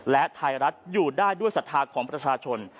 และไทยรัฐอยู่ได้ด้วยศรัทธาของประชาชน